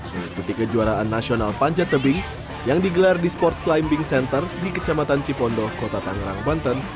mengikuti kejuaraan nasional panjat tebing yang digelar di sport climbing center di kecamatan cipondo kota tangerang banten